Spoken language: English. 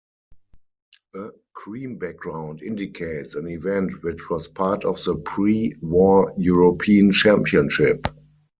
A cream background indicates an event which was part of the pre-war European Championship.